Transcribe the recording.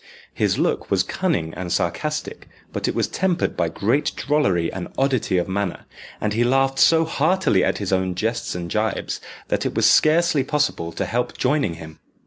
His look was cunning and sarcastic, but it was tempered by great drollery and oddity of manner, and he laughed so heartily at his own jests and jibes, that it was scarcely possible to help joining him.